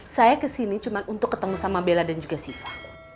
saya kesini cuma untuk ketemu sama bella dan juga siva